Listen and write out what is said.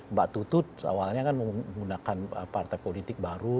mbak tutut awalnya kan menggunakan partai politik baru